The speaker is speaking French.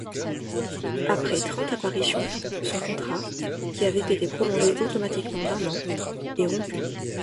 Après trente apparitions, son contrat, qui avait été prolongé automatiquement d'un an, est rompu.